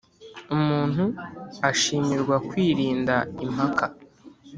umuntu ashimirwa kwirinda impaka